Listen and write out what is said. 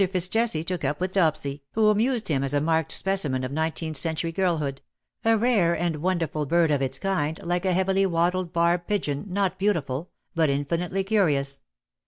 Fitz Jessie took up with Dopsy, who amused him as a 206 ^^His LADY smiles; marked specimen of nineteentli ceiitury girlhood — a rare and wonderful bird of its kind^ like a heavily wattled barb pigeonn ot beautiful, but infinitely curious.